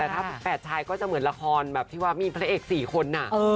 แต่ชายก็จะเหมือนละครแบบที่ว่ามีพระเอกสี่คนอ่ะ